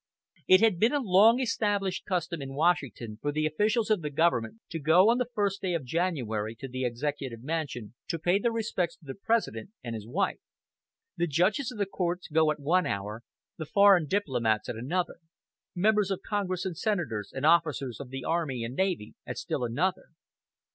It has been a long established custom in Washington for the officials of the government to go on the first day of January to the Executive Mansion to pay their respects to the President and his wife. The judges of the courts go at one hour, the foreign diplomats at another, members of Congress and senators and officers of the Army and Navy at still another.